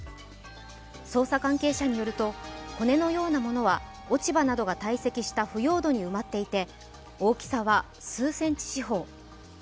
捜査関係者によると、骨のようなものは落ち葉などが堆積した腐葉土に埋まっていて大きさは数センチ四方。